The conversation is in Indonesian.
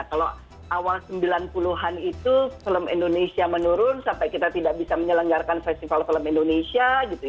kalau awal sembilan puluh an itu film indonesia menurun sampai kita tidak bisa menyelenggarkan festival film indonesia